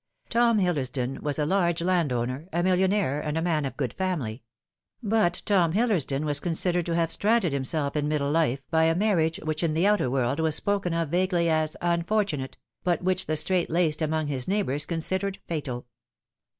Tom Hillersdou was a large landowner, a millionaire, and a man of good family ; but Tom Hillersdon was considered to have stranded himself in middle life by a marriage which in the outer world was spoken of vaguely as " unfortunate," but which the straitlaced among his neighbours considered fatal.